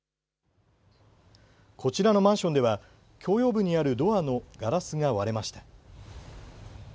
こちらのマンションでは共用部にあるドアのガラスが割れました。